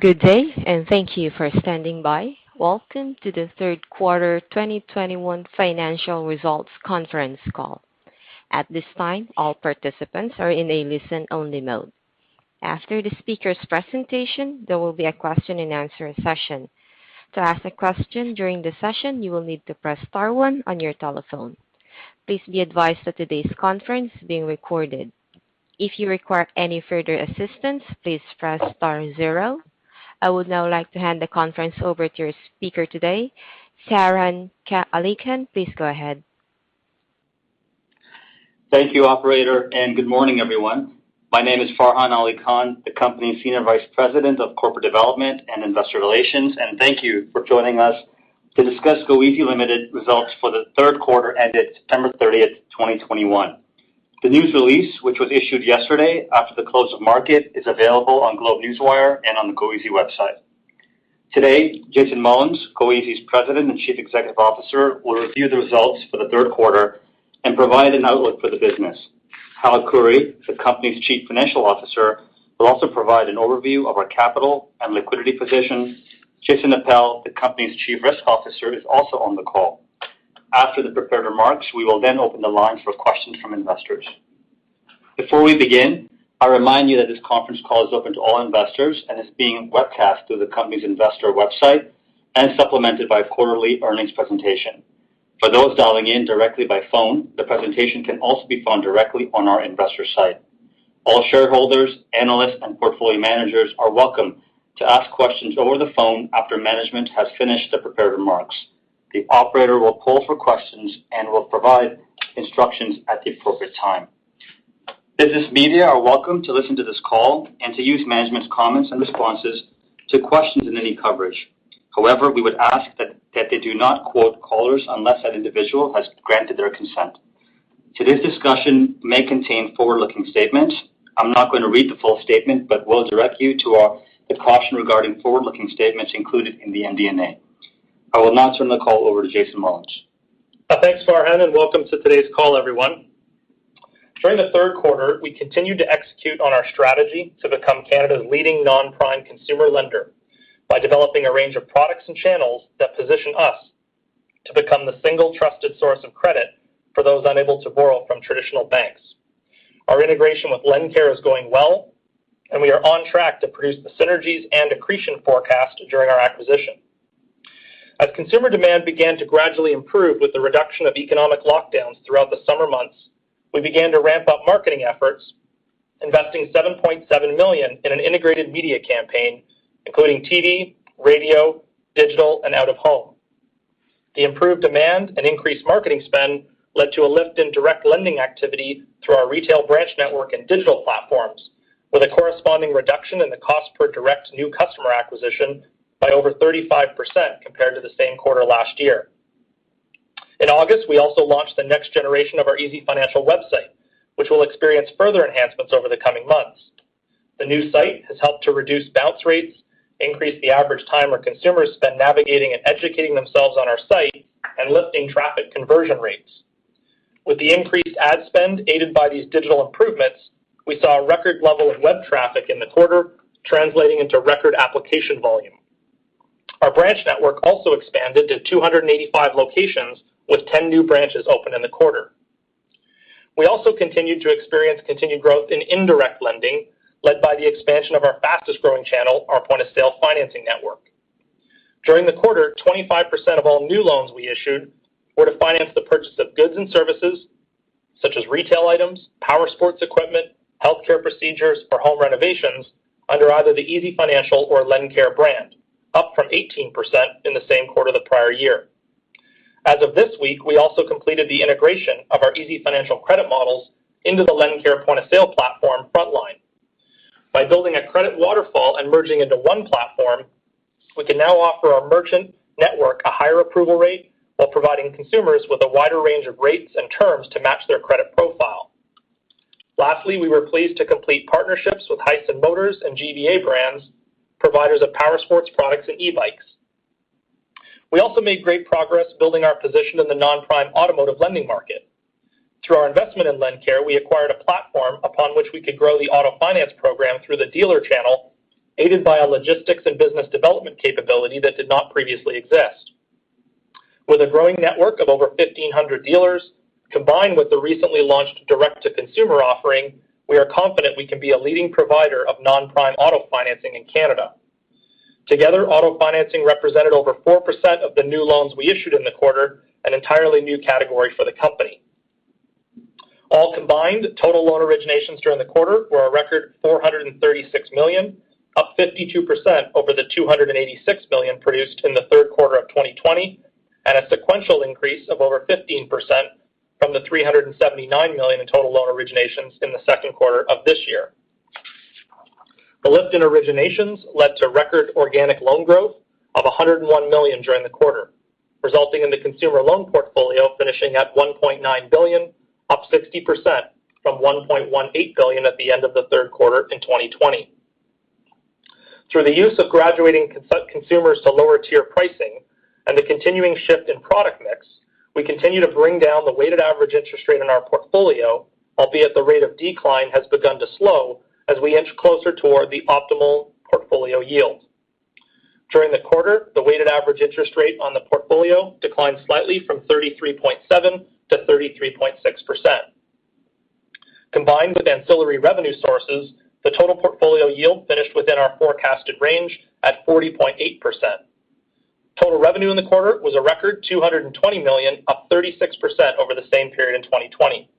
Good day, and thank you for standing by. Welcome to the third quarter 2021 financial results conference call. At this time, all participants are in a listen-only mode. After the speaker's presentation, there will be a question and answer session. To ask a question during the session, you will need to press star one on your telephone. Please be advised that today's conference is being recorded. If you require any further assistance, please press star zero. I would now like to hand the conference over to your speaker today, Farhan Ali Khan. Please go ahead. Thank you, operator, and good morning, everyone. My name is Farhan Ali Khan, the company's Senior Vice President of Corporate Development and Investor Relations. Thank you for joining us to discuss goeasy Ltd. results for the third quarter ended September 30th, 2021. The news release, which was issued yesterday after the close of market, is available on GlobeNewswire and on the goeasy website. Today, Jason Mullins, goeasy's President and Chief Executive Officer, will review the results for the third quarter and provide an outlook for the business. Hal Khouri, the company's Chief Financial Officer, will also provide an overview of our capital and liquidity position. Jason Appel, the company's Chief Risk Officer, is also on the call. After the prepared remarks, we will then open the line for questions from investors. Before we begin, I remind you that this conference call is open to all investors and is being webcast through the company's investor website and supplemented by quarterly earnings presentation. For those dialing in directly by phone, the presentation can also be found directly on our investor site. All shareholders, analysts, and portfolio managers are welcome to ask questions over the phone after management has finished the prepared remarks. The operator will call for questions and will provide instructions at the appropriate time. Business media are welcome to listen to this call and to use management's comments and responses to questions in any coverage. However, we would ask that they do not quote callers unless that individual has granted their consent. Today's discussion may contain forward-looking statements. I'm not gonna read the full statement, but will direct you to the caution regarding forward-looking statements included in the MD&A. I will now turn the call over to Jason Mullins. Thanks, Farhan, and welcome to today's call, everyone. During the third quarter, we continued to execute on our strategy to become Canada's leading non-prime consumer lender by developing a range of products and channels that position us to become the single trusted source of credit for those unable to borrow from traditional banks. Our integration with LendCare is going well, and we are on track to produce the synergies and accretion forecast during our acquisition. As consumer demand began to gradually improve with the reduction of economic lockdowns throughout the summer months, we began to ramp up marketing efforts, investing 7.7 million in an integrated media campaign, including TV, radio, digital, and out-of-home. The improved demand and increased marketing spend led to a lift in direct lending activity through our retail branch network and digital platforms, with a corresponding reduction in the cost per direct new customer acquisition by over 35% compared to the same quarter last year. In August, we also launched the next generation of our easyfinancial website, which will experience further enhancements over the coming months. The new site has helped to reduce bounce rates, increase the average time our consumers spend navigating and educating themselves on our site, and lifting traffic conversion rates. With the increased ad spend aided by these digital improvements, we saw a record level of web traffic in the quarter, translating into record application volume. Our branch network also expanded to 285 locations, with 10 new branches open in the quarter. We continued to experience growth in indirect lending, led by the expansion of our fastest-growing channel, our point-of-sale financing network. During the quarter, 25% of all new loans we issued were to finance the purchase of goods and services such as retail items, power sports equipment, healthcare procedures, or home renovations under either the easyfinancial or LendCare brand, up from 18% in the same quarter the prior year. As of this week, we also completed the integration of our easyfinancial credit models into the LendCare point-of-sale platform FrontLine. By building a credit waterfall and merging into one platform, we can now offer our merchant network a higher approval rate while providing consumers with a wider range of rates and terms to match their credit profile. Lastly, we were pleased to complete partnerships with HISUN Motors and GVA Brands, providers of power sports products and e-bikes. We also made great progress building our position in the non-prime automotive lending market. Through our investment in LendCare, we acquired a platform upon which we could grow the auto finance program through the dealer channel, aided by a logistics and business development capability that did not previously exist. With a growing network of over 1,500 dealers, combined with the recently launched direct-to-consumer offering, we are confident we can be a leading provider of non-prime auto financing in Canada. Together, auto financing represented over 4% of the new loans we issued in the quarter, an entirely new category for the company. All combined, total loan originations during the quarter were a record 436 million, up 52% over the 286 million produced in the third quarter of 2020, and a sequential increase of over 15% from the 379 million in total loan originations in the second quarter of this year. The lift in originations led to record organic loan growth of 101 million during the quarter, resulting in the consumer loan portfolio finishing at 1.9 billion, up 60% from 1.18 billion at the end of the third quarter in 2020. Through the use of graduating consumers to lower-tier pricing and the continuing shift in product mix. We continue to bring down the weighted average interest rate in our portfolio, albeit the rate of decline has begun to slow as we inch closer toward the optimal portfolio yield. During the quarter, the weighted average interest rate on the portfolio declined slightly from 33.7% to 33.6%. Combined with ancillary revenue sources, the total portfolio yield finished within our forecasted range at 40.8%. Total revenue in the quarter was a record 220 million, up 36% over the same period in 2020.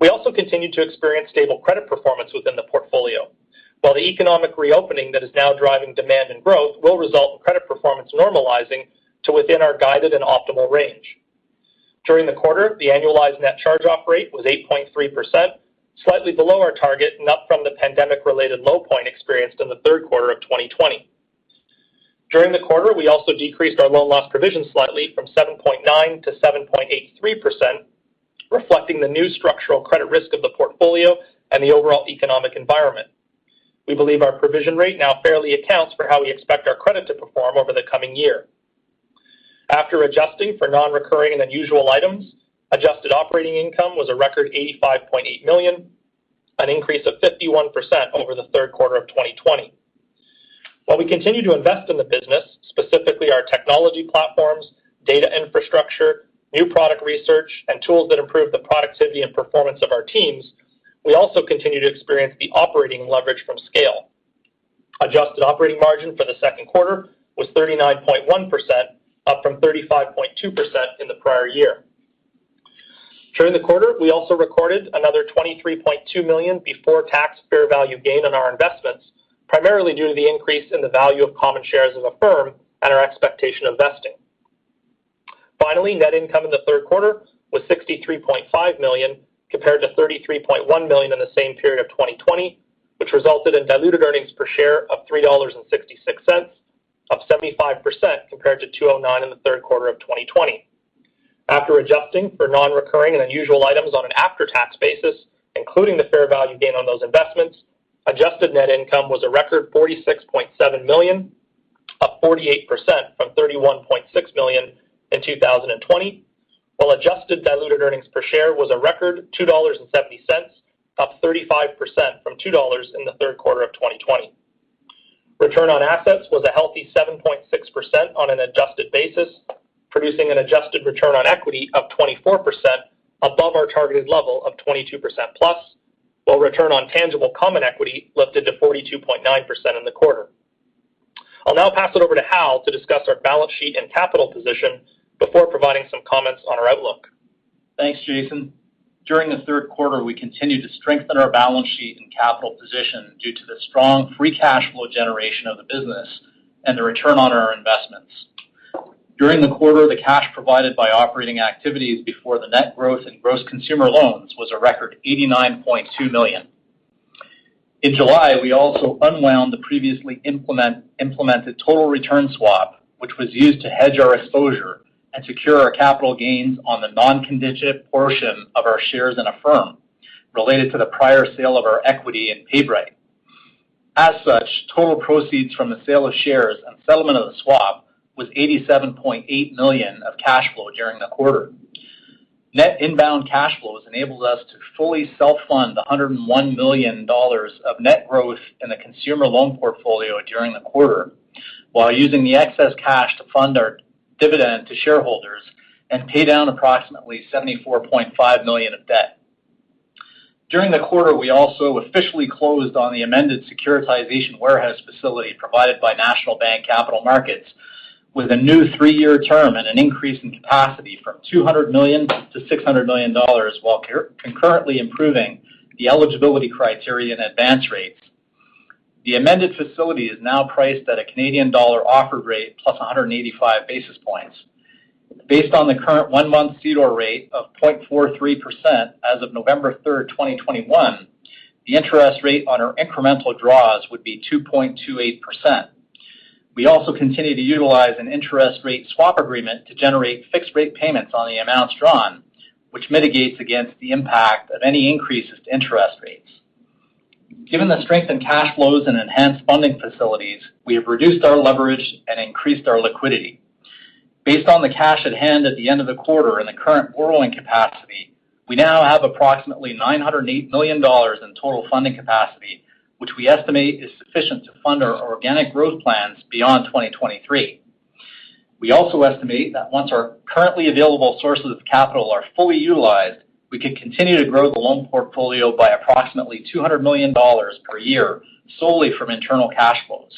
We also continued to experience stable credit performance within the portfolio. While the economic reopening that is now driving demand and growth will result in credit performance normalizing to within our guided and optimal range. During the quarter, the annualized net charge-off rate was 8.3%, slightly below our target and up from the pandemic-related low point experienced in the third quarter of 2020. During the quarter, we also decreased our loan loss provision slightly from 7.9% to 7.83%, reflecting the new structural credit risk of the portfolio and the overall economic environment. We believe our provision rate now fairly accounts for how we expect our credit to perform over the coming year. After adjusting for non-recurring and unusual items, adjusted operating income was a record 85.8 million, an increase of 51% over the third quarter of 2020. While we continue to invest in the business, specifically our technology platforms, data infrastructure, new product research, and tools that improve the productivity and performance of our teams, we also continue to experience the operating leverage from scale. Adjusted operating margin for the second quarter was 39.1%, up from 35.2% in the prior year. During the quarter, we also recorded another 23.2 million before tax fair value gain on our investments, primarily due to the increase in the value of common shares of Affirm and our expectation of vesting. Finally, net income in the third quarter was 63.5 million, compared to 33.1 million in the same period of 2020, which resulted in diluted earnings per share of 3.66 dollars, up 75% compared to 2.09 in the third quarter of 2020. After adjusting for non-recurring and unusual items on an after-tax basis, including the fair value gain on those investments, adjusted net income was a record 46.7 million, up 48% from 31.6 million in 2020. While adjusted diluted earnings per share was a record 2.70 dollars, up 35% from 2 dollars in the third quarter of 2020. Return on assets was a healthy 7.6% on an adjusted basis, producing an adjusted return on equity of 24% above our targeted level of 22%+. While return on tangible common equity lifted to 42.9% in the quarter. I'll now pass it over to Hal to discuss our balance sheet and capital position before providing some comments on our outlook. Thanks, Jason. During the third quarter, we continued to strengthen our balance sheet and capital position due to the strong free cash flow generation of the business and the return on our investments. During the quarter, the cash provided by operating activities before the net growth in gross consumer loans was a record 89.2 million. In July, we also unwound the previously implemented total return swap, which was used to hedge our exposure and secure our capital gains on the non-contingent portion of our shares in Affirm related to the prior sale of our equity in PayBright. As such, total proceeds from the sale of shares and settlement of the swap was 87.8 million of cash flow during the quarter. Net inbound cash flows enables us to fully self-fund the 101 million dollars of net growth in the consumer loan portfolio during the quarter, while using the excess cash to fund our dividend to shareholders and pay down approximately 74.5 million of debt. During the quarter, we also officially closed on the amended securitization warehouse facility provided by National Bank Capital Markets with a new three-year term and an increase in capacity from 200 million to 600 million dollars, while concurrently improving the eligibility criteria and advance rates. The amended facility is now priced at a Canadian Dollar Offered Rate plus 185 basis points. Based on the current one-month CDOR rate of 0.43% as of November 3rd, 2021, the interest rate on our incremental draws would be 2.28%. We also continue to utilize an interest rate swap agreement to generate fixed rate payments on the amounts drawn, which mitigates against the impact of any increases to interest rates. Given the strength in cash flows and enhanced funding facilities, we have reduced our leverage and increased our liquidity. Based on the cash at hand at the end of the quarter and the current borrowing capacity, we now have approximately 908 million dollars in total funding capacity, which we estimate is sufficient to fund our organic growth plans beyond 2023. We also estimate that once our currently available sources of capital are fully utilized, we can continue to grow the loan portfolio by approximately 200 million dollars per year solely from internal cash flows.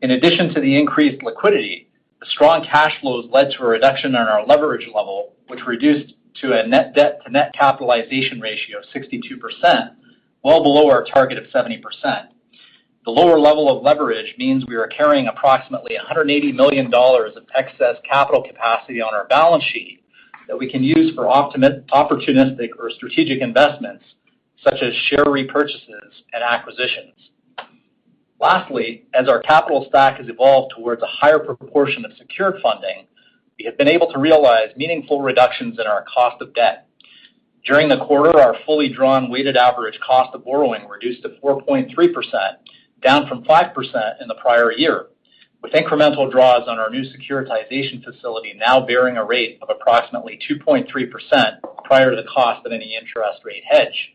In addition to the increased liquidity, the strong cash flows led to a reduction in our leverage level, which reduced to a net debt to capitalization ratio of 62%, well below our target of 70%. The lower level of leverage means we are carrying approximately 180 million dollars of excess capital capacity on our balance sheet that we can use for opportunistic or strategic investments such as share repurchases and acquisitions. Lastly, as our capital stack has evolved towards a higher proportion of secured funding, we have been able to realize meaningful reductions in our cost of debt. During the quarter, our fully drawn weighted average cost of borrowing reduced to 4.3%, down from 5% in the prior year. With incremental draws on our new securitization facility now bearing a rate of approximately 2.3% prior to the cost of any interest rate hedge.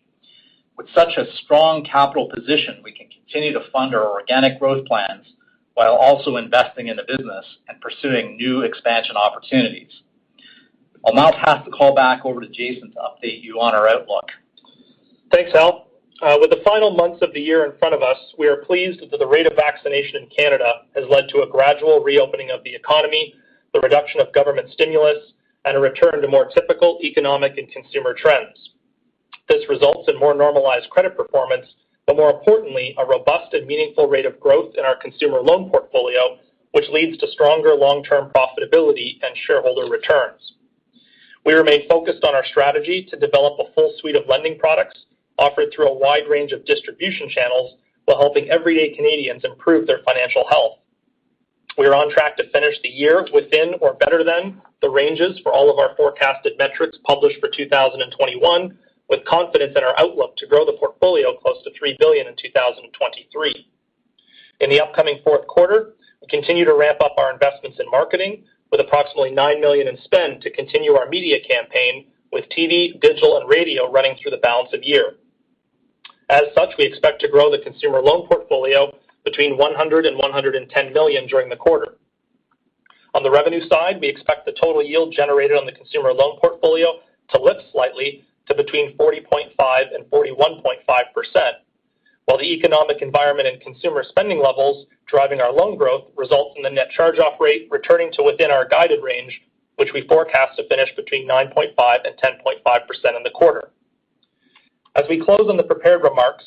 With such a strong capital position, we can continue to fund our organic growth plans while also investing in the business and pursuing new expansion opportunities. I'll now pass the call back over to Jason to update you on our outlook. Thanks, Hal. With the final months of the year in front of us, we are pleased that the rate of vaccination in Canada has led to a gradual reopening of the economy, the reduction of government stimulus, and a return to more typical economic and consumer trends. This results in more normalized credit performance, but more importantly, a robust and meaningful rate of growth in our consumer loan portfolio, which leads to stronger long-term profitability and shareholder returns. We remain focused on our strategy to develop a full suite of lending products offered through a wide range of distribution channels while helping everyday Canadians improve their financial health. We are on track to finish the year within or better than the ranges for all of our forecasted metrics published for 2021, with confidence in our outlook to grow the portfolio close to 3 billion in 2023. In the upcoming fourth quarter, we continue to ramp up our investments in marketing with approximately 9 million in spend to continue our media campaign with TV, digital, and radio running through the balance of year. As such, we expect to grow the consumer loan portfolio between 100 million and 110 million during the quarter. On the revenue side, we expect the total yield generated on the consumer loan portfolio to lift slightly to between 40.5% and 41.5%. While the economic environment and consumer spending levels driving our loan growth results in the net charge-off rate returning to within our guided range, which we forecast to finish between 9.5% and 10.5% in the quarter. As we close on the prepared remarks,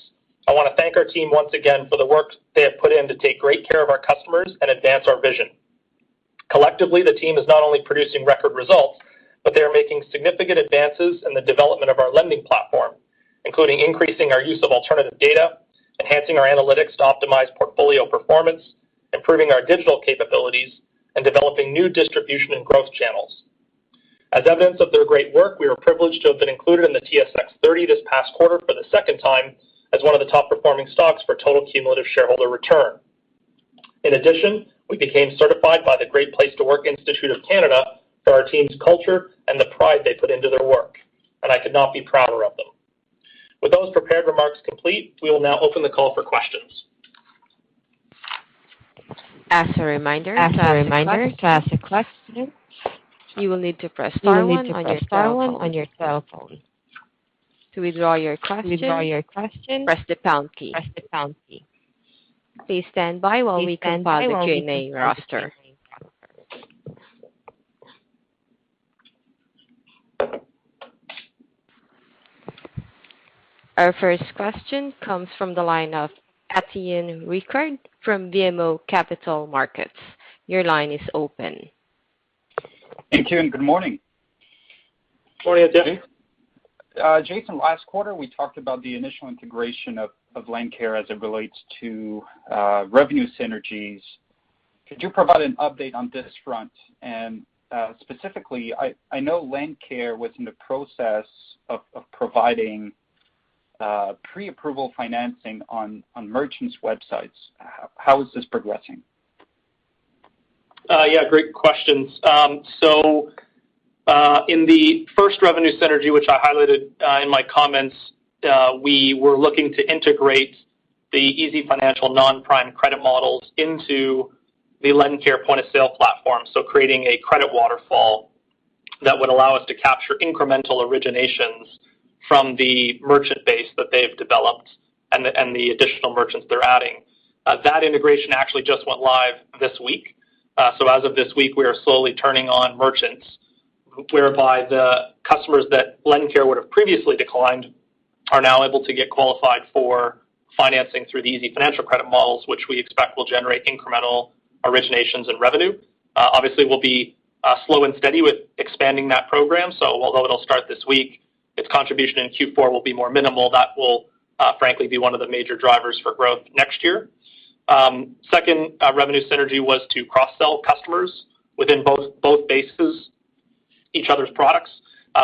I wanna thank our team once again for the work they have put in to take great care of our customers and advance our vision. Collectively, the team is not only producing record results, but they are making significant advances in the development of our lending platform, including increasing our use of alternative data, enhancing our analytics to optimize portfolio performance, improving our digital capabilities, and developing new distribution and growth channels. As evidence of their great work, we are privileged to have been included in the TSX30 this past quarter for the second time as one of the top-performing stocks for total cumulative shareholder return. In addition, we became certified by the Great Place to Work Institute Canada for our team's culture and the pride they put into their work, and I could not be prouder of them. With those prepared remarks complete, we will now open the call for questions. As a reminder, to ask a question, you will need to press star one on your telephone. To withdraw your question, press the pound key. Please stand by while we compile the Q&A roster. Our first question comes from the line of Étienne Ricard from BMO Capital Markets. Your line is open. Thank you, and good morning. Morning, Étienne. Jason, last quarter, we talked about the initial integration of LendCare as it relates to revenue synergies. Could you provide an update on this front? Specifically, I know LendCare was in the process of providing pre-approval financing on merchants' websites. How is this progressing? Yeah, great questions. In the first revenue synergy, which I highlighted in my comments, we were looking to integrate the easyfinancial non-prime credit models into the LendCare point-of-sale platform, creating a credit waterfall that would allow us to capture incremental originations from the merchant base that they've developed and the additional merchants they're adding. That integration actually just went live this week. As of this week, we are slowly turning on merchants, whereby the customers that LendCare would have previously declined are now able to get qualified for financing through the easyfinancial credit models, which we expect will generate incremental originations and revenue. Obviously, we'll be slow and steady with expanding that program. Although it'll start this week, its contribution in Q4 will be more minimal. That will frankly be one of the major drivers for growth next year. Second, revenue synergy was to cross-sell customers within both bases, each other's products.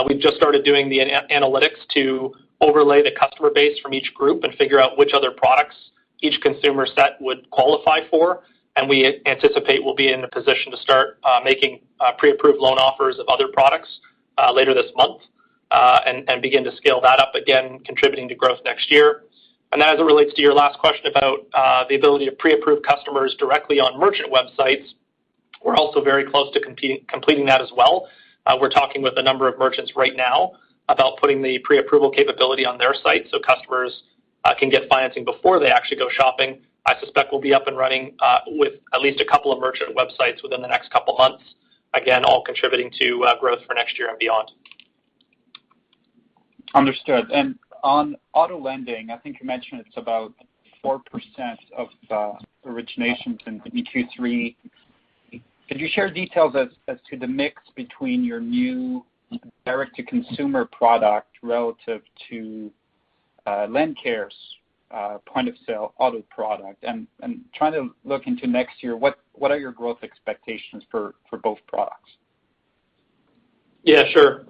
We've just started doing the analytics to overlay the customer base from each group and figure out which other products each consumer set would qualify for. We anticipate we'll be in a position to start making pre-approved loan offers of other products later this month and begin to scale that up again, contributing to growth next year. As it relates to your last question about the ability to pre-approve customers directly on merchant websites, we're also very close to completing that as well. We're talking with a number of merchants right now about putting the pre-approval capability on their site so customers can get financing before they actually go shopping. I suspect we'll be up and running with at least a couple of merchant websites within the next couple of months. Again, all contributing to growth for next year and beyond. Understood. On auto lending, I think you mentioned it's about 4% of the originations in Q3. Could you share details as to the mix between your new direct-to-consumer product relative to LendCare's point-of-sale auto product. Trying to look into next year, what are your growth expectations for both products? Yeah, sure.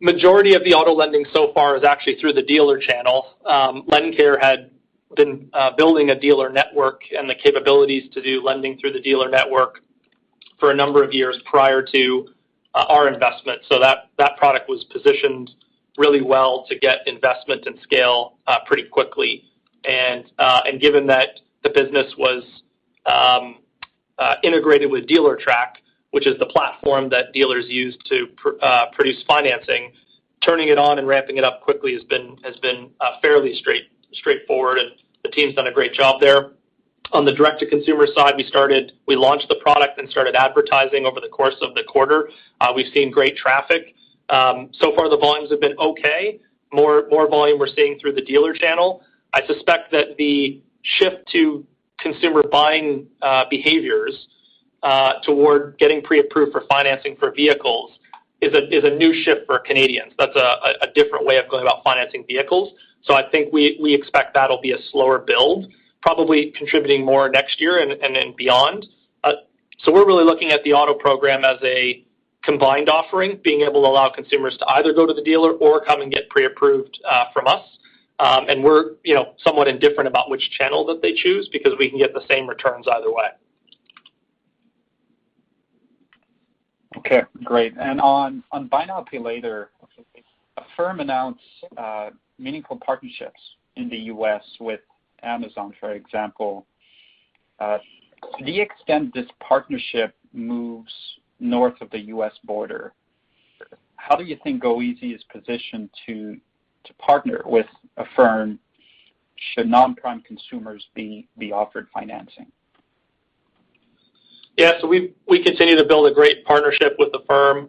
Majority of the auto lending so far is actually through the dealer channel. LendCare had been building a dealer network and the capabilities to do lending through the dealer network for a number of years prior to our investment. That product was positioned really well to get investment and scale pretty quickly. Given that the business was integrated with Dealertrack, which is the platform that dealers use to produce financing, turning it on and ramping it up quickly has been fairly straightforward, and the team's done a great job there. On the direct-to-consumer side, we started. We launched the product and started advertising over the course of the quarter. We've seen great traffic. So far the volumes have been okay. More volume we're seeing through the dealer channel. I suspect that the shift to consumer buying behaviors toward getting pre-approved for financing for vehicles is a new shift for Canadians. That's a different way of going about financing vehicles. I think we expect that'll be a slower build, probably contributing more next year and then beyond. We're really looking at the auto program as a combined offering, being able to allow consumers to either go to the dealer or come and get pre-approved from us. We're, you know, somewhat indifferent about which channel that they choose because we can get the same returns either way. Okay, great. On buy now, pay later, Affirm announced meaningful partnerships in the U.S. with Amazon, for example. To the extent this partnership moves north of the U.S. border, how do you think goeasy is positioned to partner with Affirm should non-prime consumers be offered financing? We continue to build a great partnership with Affirm.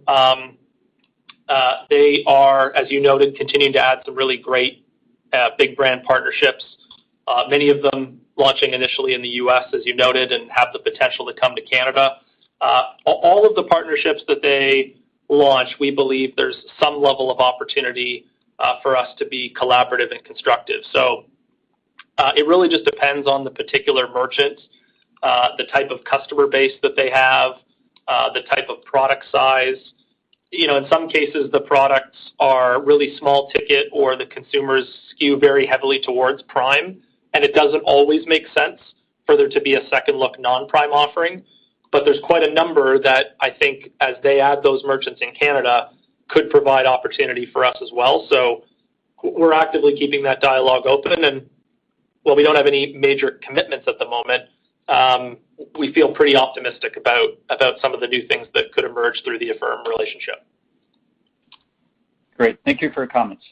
They are, as you noted, continuing to add some really great big brand partnerships, many of them launching initially in the U.S., as you noted, and have the potential to come to Canada. All of the partnerships that they launch, we believe there's some level of opportunity for us to be collaborative and constructive. It really just depends on the particular merchant, the type of customer base that they have, the type of product size. You know, in some cases the products are really small ticket or the consumers skew very heavily towards prime, and it doesn't always make sense for there to be a second look non-prime offering. There's quite a number that I think as they add those merchants in Canada could provide opportunity for us as well. We're actively keeping that dialogue open. While we don't have any major commitments at the moment, we feel pretty optimistic about some of the new things that could emerge through the Affirm relationship. Great. Thank you for your comments.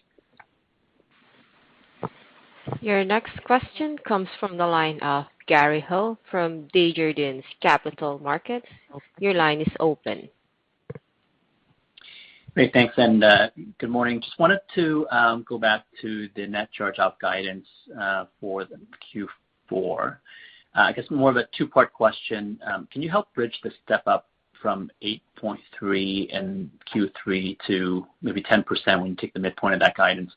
Your next question comes from the line of Gary Ho from Desjardins Capital Markets. Your line is open. Great. Thanks, and good morning. Just wanted to go back to the net charge-off guidance for the Q4. I guess more of a two-part question. Can you help bridge the step up from 8.3% in Q3 to maybe 10% when you take the midpoint of that guidance?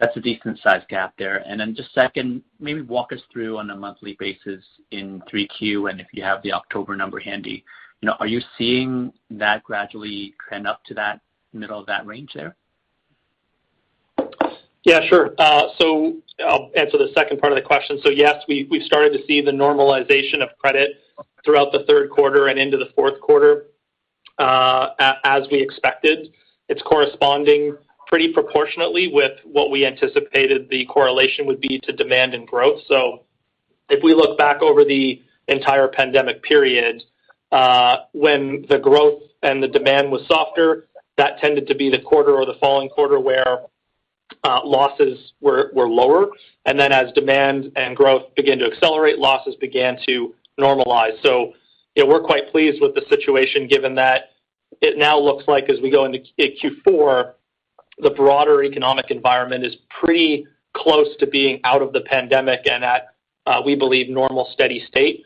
That's a decent sized gap there. Just second, maybe walk us through on a monthly basis in 3Q, and if you have the October number handy. You know, are you seeing that gradually trend up to that middle of that range there? Yeah, sure. I'll answer the second part of the question. Yes, we started to see the normalization of credit throughout the third quarter and into the fourth quarter, as we expected. It's corresponding pretty proportionately with what we anticipated the correlation would be to demand and growth. If we look back over the entire pandemic period, when the growth and the demand was softer, that tended to be the quarter or the following quarter where losses were lower. Then as demand and growth began to accelerate, losses began to normalize. Yeah, we're quite pleased with the situation given that it now looks like as we go into Q4, the broader economic environment is pretty close to being out of the pandemic and at, we believe, normal steady state.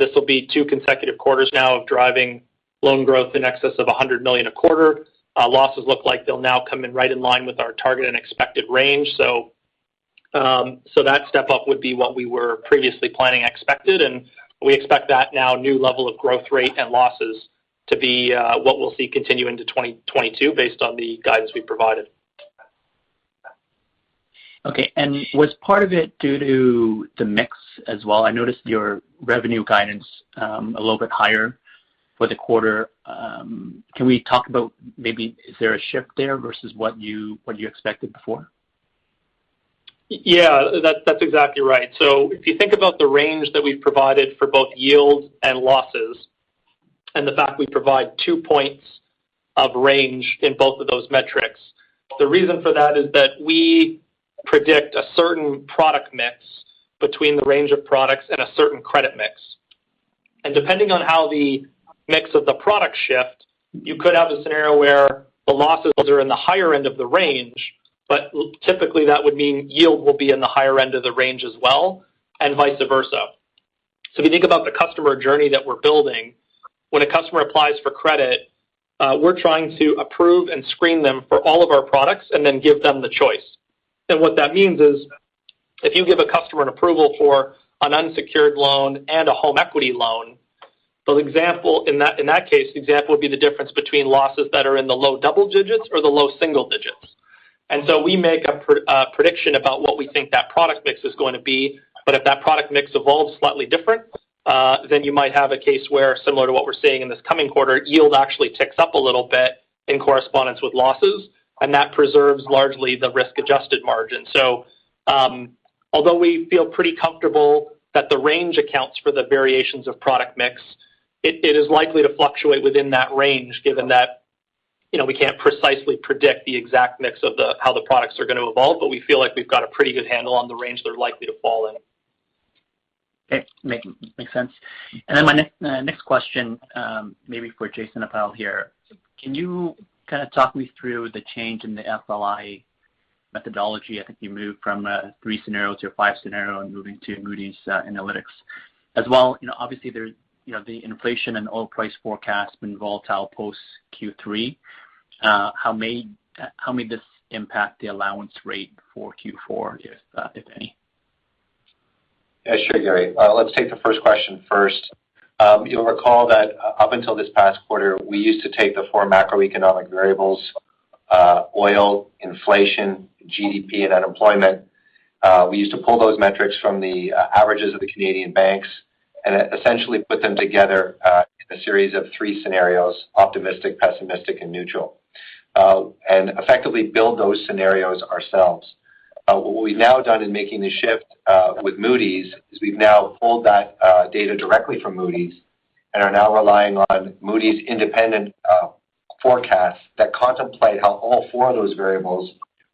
This will be two consecutive quarters now of driving loan growth in excess of 100 million a quarter. Losses look like they'll now come in right in line with our target and expected range. That step up would be what we were previously planning expected, and we expect that now new level of growth rate and losses to be what we'll see continue into 2022 based on the guidance we provided. Okay. Was part of it due to the mix as well? I noticed your revenue guidance, a little bit higher for the quarter. Can we talk about maybe is there a shift there versus what you expected before? Yeah. That's exactly right. If you think about the range that we've provided for both yields and losses and the fact we provide two points of range in both of those metrics, the reason for that is that we predict a certain product mix between the range of products and a certain credit mix. Depending on how the mix of the products shift, you could have a scenario where the losses are in the higher end of the range, but typically that would mean yield will be in the higher end of the range as well, and vice versa. If you think about the customer journey that we're building, when a customer applies for credit, we're trying to approve and screen them for all of our products and then give them the choice. What that means is if you give a customer an approval for an unsecured loan and a home equity loan, the example in that case would be the difference between losses that are in the low double digits or the low single digits. We make a prediction about what we think that product mix is going to be. If that product mix evolves slightly different, then you might have a case where similar to what we're seeing in this coming quarter, yield actually ticks up a little bit in correspondence with losses, and that preserves largely the risk-adjusted margin. Although we feel pretty comfortable that the range accounts for the variations of product mix, it is likely to fluctuate within that range given that, you know, we can't precisely predict the exact mix of how the products are gonna evolve, but we feel like we've got a pretty good handle on the range they're likely to fall in. Okay. Makes sense. My next question, maybe for Jason Appel here. Can you kind of talk me through the change in the FLI methodology? I think you moved from three scenario to five scenario and moving to Moody's analytics. As well, you know, obviously there's, you know, the inflation and oil price forecast been volatile post Q3. How may this impact the allowance rate for Q4, if any? Yeah, sure, Gary. Let's take the first question first. You'll recall that up until this past quarter, we used to take the four macroeconomic variables, oil, inflation, GDP, and unemployment. We used to pull those metrics from the averages of the Canadian banks and essentially put them together in a series of three scenarios, optimistic, pessimistic, and neutral, and effectively build those scenarios ourselves. What we've now done in making the shift with Moody's is we've now pulled that data directly from Moody's and are now relying on Moody's independent forecasts that contemplate how all four of those variables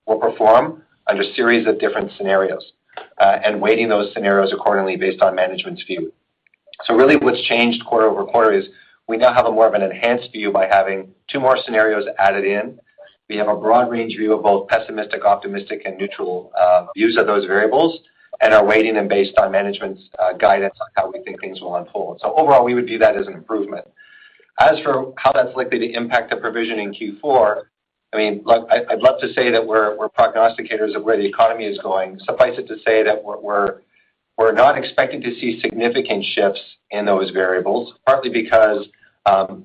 will perform under series of different scenarios, and weighting those scenarios accordingly based on management's view. Really what's changed quarter-over-quarter is we now have a more of an enhanced view by having two more scenarios added in. We have a broad range view of both pessimistic, optimistic, and neutral views of those variables and are weighting them based on management's guidance on how we think things will unfold. Overall, we would view that as an improvement. As for how that's likely to impact the provision in Q4, I mean, look, I'd love to say that we're not expecting to see significant shifts in those variables, partly because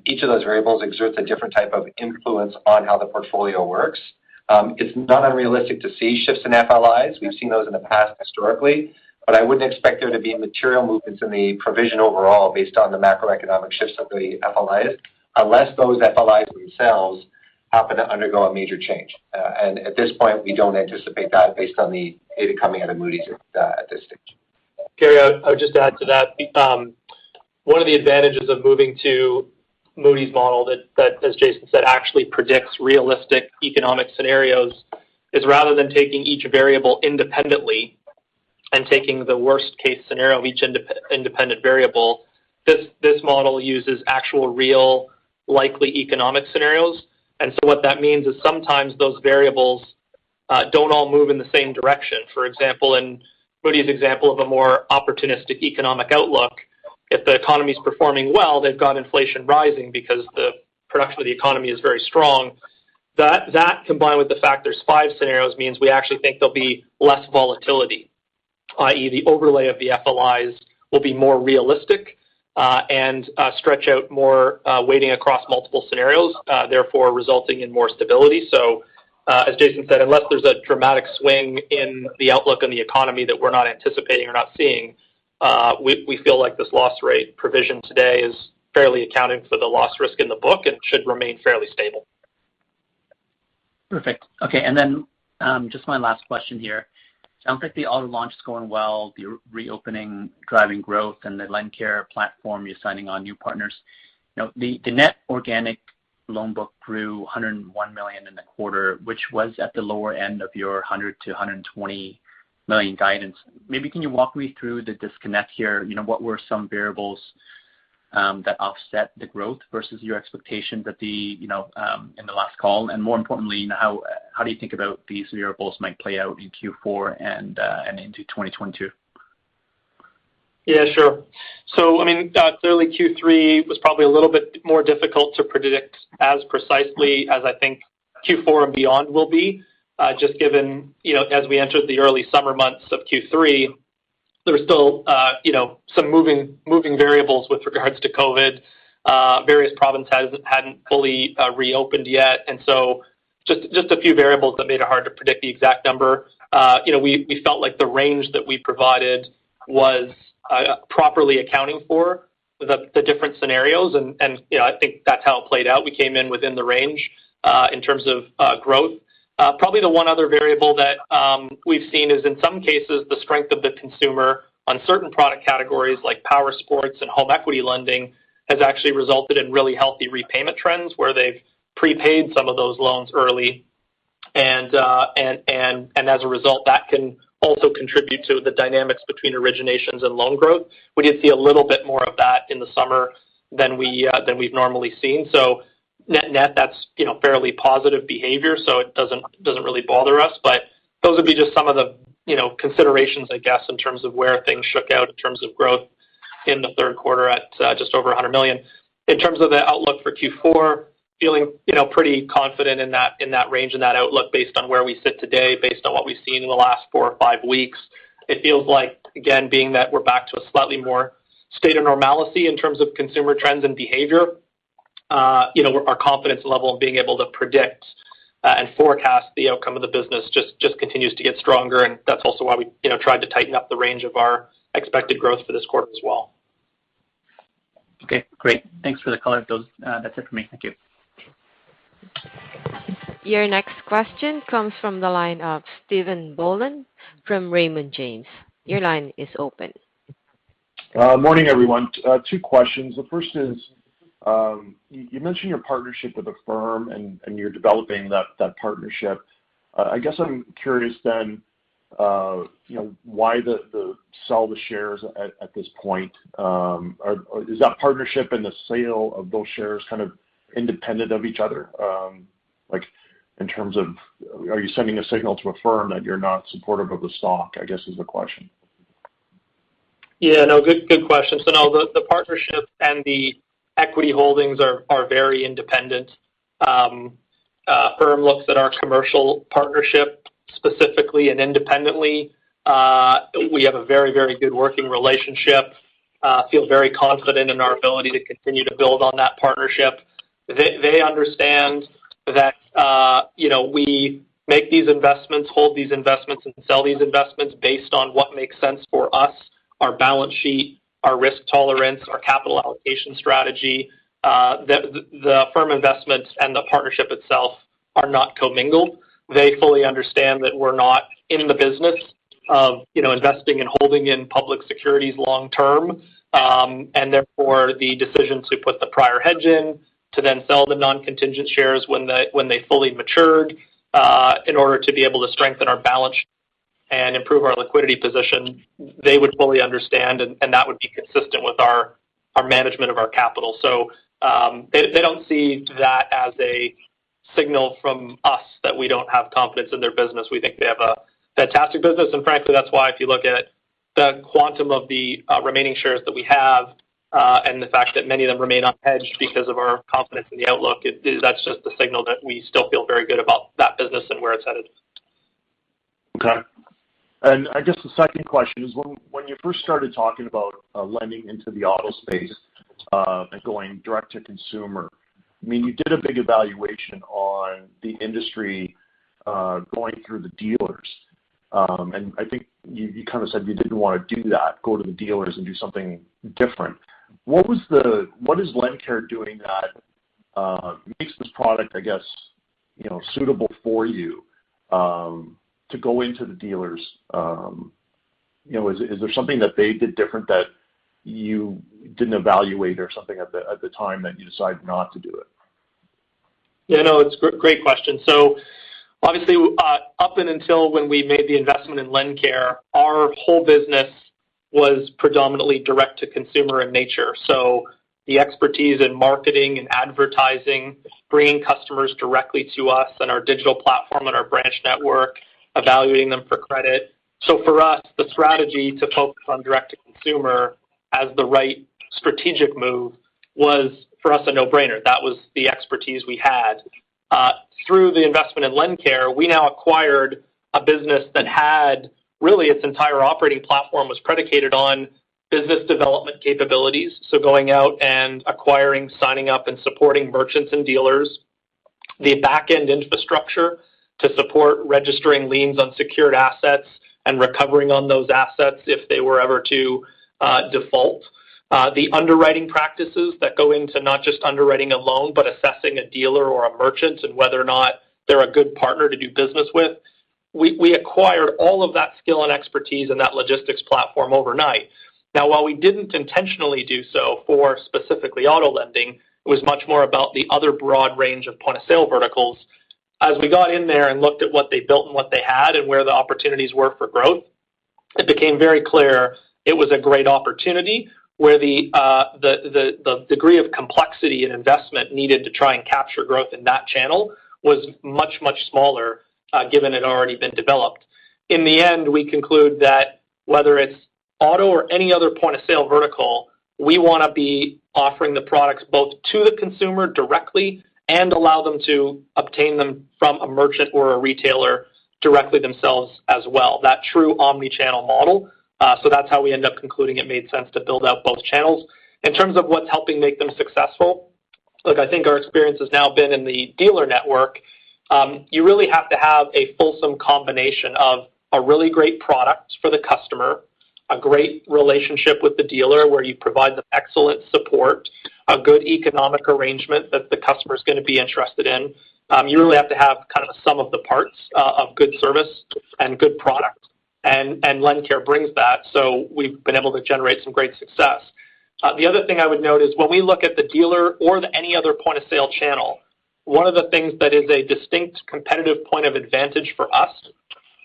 each of those variables exerts a different type of influence on how the portfolio works. It's not unrealistic to see shifts in FLIs. We've seen those in the past historically, but I wouldn't expect there to be material movements in the provision overall based on the macroeconomic shifts of the FLIs, unless those FLIs themselves happen to undergo a major change. At this point, we don't anticipate that based on the data coming out of Moody's at this stage. Gary, I'll just add to that. One of the advantages of moving to Moody's model that, as Jason said, actually predicts realistic economic scenarios is rather than taking each variable independently and taking the worst case scenario of each independent variable, this model uses actual real likely economic scenarios. What that means is sometimes those variables don't all move in the same direction. For example, in Moody's example of a more optimistic economic outlook, if the economy is performing well, they've got inflation rising because the production of the economy is very strong. That combined with the fact there's five scenarios means we actually think there'll be less volatility, i.e., the overlay of the FLIs will be more realistic and stretch out more weighting across multiple scenarios, therefore resulting in more stability. As Jason said, unless there's a dramatic swing in the outlook on the economy that we're not anticipating or not seeing, we feel like this loan loss provision today is fairly accounting for the loss risk in the book and should remain fairly stable. Perfect. Okay. Just my last question here. Sounds like the auto launch is going well, the reopening driving growth and the LendCare platform, you're signing on new partners. You know, the net organic loan book grew 101 million in the quarter, which was at the lower end of your 100 million-120 million guidance. Maybe can you walk me through the disconnect here? You know, what were some variables that offset the growth versus your expectations at the, you know, in the last call? More importantly, how do you think about these variables might play out in Q4 and into 2022? Yeah, sure. I mean, clearly Q3 was probably a little bit more difficult to predict as precisely as I think Q4 and beyond will be, just given, you know, as we entered the early summer months of Q3, there was still, you know, some moving variables with regards to COVID. Various provinces hadn't fully reopened yet. Just a few variables that made it hard to predict the exact number. You know, we felt like the range that we provided was properly accounting for the different scenarios. You know, I think that's how it played out. We came in within the range in terms of growth. Probably the one other variable that we've seen is in some cases, the strength of the consumer on certain product categories like power sports and home equity lending has actually resulted in really healthy repayment trends where they've prepaid some of those loans early. As a result, that can also contribute to the dynamics between originations and loan growth. We did see a little bit more of that in the summer than we've normally seen. Net net, that's, you know, fairly positive behavior, so it doesn't really bother us. Those would be just some of the, you know, considerations, I guess, in terms of where things shook out in terms of growth in the third quarter at just over 100 million. In terms of the outlook for Q4, feeling, you know, pretty confident in that, in that range and that outlook based on where we sit today, based on what we've seen in the last four or five weeks. It feels like, again, being that we're back to a slightly more normal state of normalcy in terms of consumer trends and behavior, you know, our confidence level in being able to predict and forecast the outcome of the business just continues to get stronger. That's also why we, you know, tried to tighten up the range of our expected growth for this quarter as well. Okay, great. Thanks for the color of those. That's it for me. Thank you. Your next question comes from the line of Stephen Boland from Raymond James. Your line is open. Morning, everyone. Two questions. The first is, you mentioned your partnership with Affirm and you're developing that partnership. I guess I'm curious then, you know, why sell the shares at this point. Is that partnership and the sale of those shares kind of independent of each other? Like in terms of are you sending a signal to Affirm that you're not supportive of the stock, I guess, is the question. Good question. No, the partnership and the equity holdings are very independent. Affirm looks at our commercial partnership specifically and independently. We have a very good working relationship, feel very confident in our ability to continue to build on that partnership. They understand that, you know, we make these investments, hold these investments and sell these investments based on what makes sense for us, our balance sheet, our risk tolerance, our capital allocation strategy. The Affirm investments and the partnership itself are not commingled. They fully understand that we're not in the business of, you know, investing and holding in public securities long-term. Therefore, the decision to put the prior hedge in to then sell the non-contingent shares when they fully matured, in order to be able to strengthen our balance sheet and improve our liquidity position, they would fully understand, and that would be consistent with our management of our capital. They don't see that as a signal from us that we don't have confidence in their business. We think they have a fantastic business. Frankly, that's why if you look at the quantum of the remaining shares that we have, and the fact that many of them remain unhedged because of our confidence in the outlook, that's just the signal that we still feel very good about that business and where it's headed. Okay. I guess the second question is, when you first started talking about lending into the auto space and going direct to consumer, I mean, you did a big evaluation on the industry going through the dealers. I think you kind of said you didn't wanna do that, go to the dealers and do something different. What is LendCare doing that makes this product, I guess, you know, suitable for you to go into the dealers? You know, is there something that they did different that you didn't evaluate or something at the time that you decided not to do it? Yeah. No, it's a great question. Obviously, up and until when we made the investment in LendCare, our whole business was predominantly direct to consumer in nature, the expertise in marketing and advertising, bringing customers directly to us and our digital platform and our branch network, evaluating them for credit. For us, the strategy to focus on direct to consumer as the right strategic move was for us, a no-brainer. That was the expertise we had. Through the investment in LendCare, we now acquired a business that had really its entire operating platform was predicated on business development capabilities, going out and acquiring, signing up and supporting merchants and dealers. The back-end infrastructure to support registering liens on secured assets and recovering on those assets if they were ever to default. The underwriting practices that go into not just underwriting a loan, but assessing a dealer or a merchant and whether or not they're a good partner to do business with. We acquired all of that skill and expertise and that logistics platform overnight. Now, while we didn't intentionally do so for specifically auto lending, it was much more about the other broad range of point-of-sale verticals. As we got in there and looked at what they built and what they had and where the opportunities were for growth, it became very clear it was a great opportunity where the degree of complexity and investment needed to try and capture growth in that channel was much smaller, given it had already been developed. In the end, we conclude that whether it's auto or any other point-of-sale vertical, we wanna be offering the products both to the consumer directly and allow them to obtain them from a merchant or a retailer directly themselves as well. That true omni-channel model. That's how we end up concluding it made sense to build out both channels. In terms of what's helping make them successful, look, I think our experience has now been in the dealer network. You really have to have a fulsome combination of a really great product for the customer, a great relationship with the dealer, where you provide them excellent support, a good economic arrangement that the customer is gonna be interested in. You really have to have kind of a sum of the parts of good service and good product. LendCare brings that, so we've been able to generate some great success. The other thing I would note is when we look at the dealer or any other point-of-sale channel, one of the things that is a distinct competitive point of advantage for us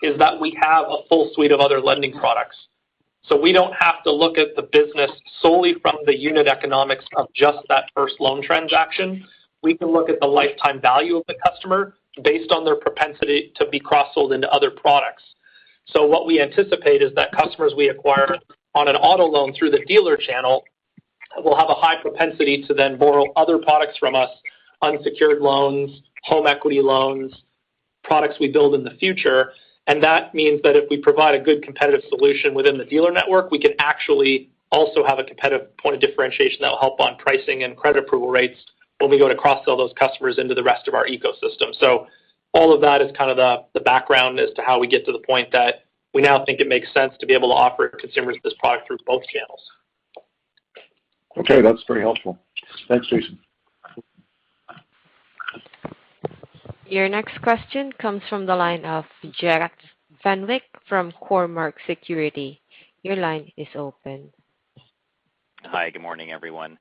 is that we have a full suite of other lending products. We don't have to look at the business solely from the unit economics of just that first loan transaction. We can look at the lifetime value of the customer based on their propensity to be cross-sold into other products. What we anticipate is that customers we acquire on an auto loan through the dealer channel will have a high propensity to then borrow other products from us, unsecured loans, home equity loans, products we build in the future. That means that if we provide a good competitive solution within the dealer network, we can actually also have a competitive point of differentiation that will help on pricing and credit approval rates when we go to cross-sell those customers into the rest of our ecosystem. All of that is kind of the background as to how we get to the point that we now think it makes sense to be able to offer consumers this product through both channels. Okay, that's very helpful. Thanks, Jason. Your next question comes from the line of Jeff Fenwick from Cormark Securities. Your line is open. Hi, good morning, everyone.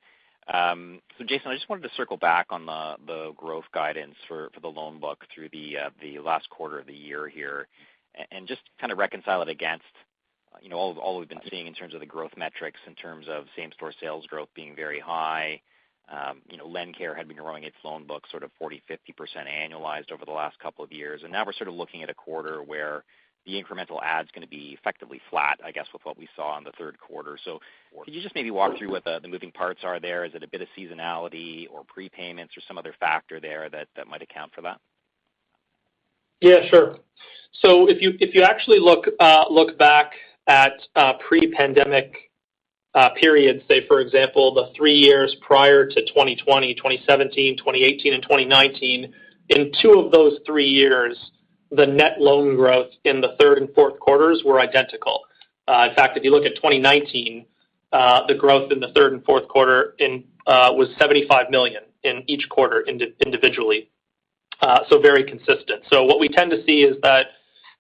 Jason, I just wanted to circle back on the growth guidance for the loan book through the last quarter of the year here and just kind of reconcile it against, you know, all we've been seeing in terms of the growth metrics, in terms of same-store sales growth being very high. You know, LendCare had been growing its loan book sort of 40%-50% annualized over the last couple of years. Now we're sort of looking at a quarter where the incremental adds gonna be effectively flat, I guess, with what we saw in the third quarter. Could you just maybe walk through what the moving parts are there? Is it a bit of seasonality or prepayments or some other factor there that might account for that? Yeah, sure. If you actually look back at pre-pandemic periods, say, for example, the three years prior to 2020, 2017, 2018 and 2019. In two of those three years, the net loan growth in the third and fourth quarters were identical. In fact, if you look at 2019, the growth in the third and fourth quarter was 75 million in each quarter individually. Very consistent. What we tend to see is that